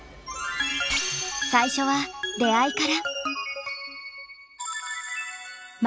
最初は出会いから。